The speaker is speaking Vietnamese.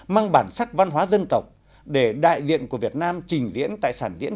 mang bản sắc văn hóa dân tộc để đại diện của việt nam trình diễn tại sản diễn